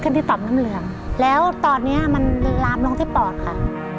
ที่ต่อมน้ำเหลืองแล้วตอนเนี้ยมันลามลงที่ปอดค่ะ